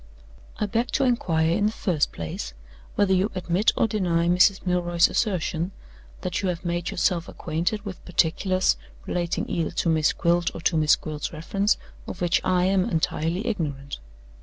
"I beg to inquire, in the first place, whether you admit or deny Mrs. Milroy's assertion that you have made yourself acquainted with particulars relating either to Miss Gwilt or to Miss Gwilt's reference, of which I am entirely ignorant?